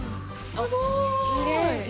すごーい。